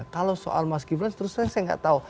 kalau soal mas gibran seterusnya saya gak tahu